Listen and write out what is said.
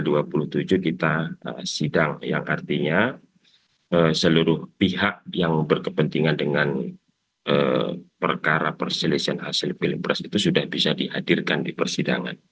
jadi kita sidang yang artinya seluruh pihak yang berkepentingan dengan perkara perselesian hasil pilipras itu sudah bisa dihadirkan di persidangan